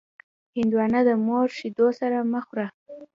هندوانه د مور شیدو سره مه خوره.